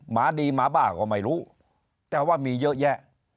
หมาดีหมาบ้าก็ไม่รู้แต่ว่ามีเยอะแยะ